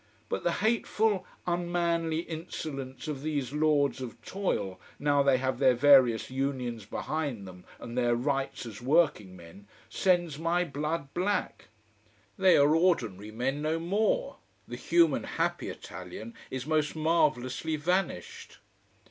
But the hateful, unmanly insolence of these lords of toil, now they have their various "unions" behind them and their "rights" as working men, sends my blood black. They are ordinary men no more: the human, happy Italian is most marvellously vanished.